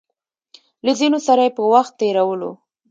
له ځينو سره يې په وخت تېرولو